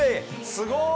すごーい！